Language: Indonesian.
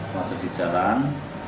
masa di jalan